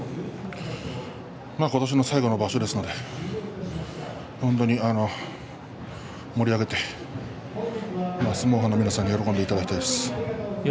今年の最後の場所ですので本当に盛り上げて相撲ファンの皆さんに喜んでもらいたいです。